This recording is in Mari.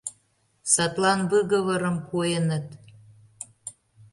Садлан выговорым пуэныт.